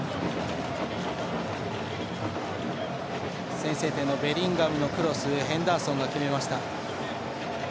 先制点のベリンガムのクロスヘンダーソンが決めました。